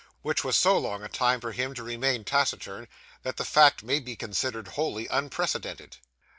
Which was so long a time for him to remain taciturn, that the fact may be considered wholly unprecedented.